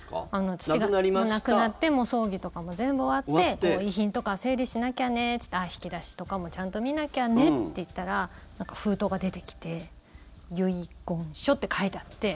父が亡くなって葬儀とかも全部終わって遺品とか整理しなきゃね引き出しとかもちゃんと見なきゃねって言ったらなんか封筒がでてきて遺言書って書いてあって。